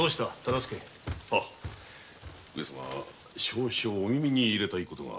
上様少々お耳に入れたい事が。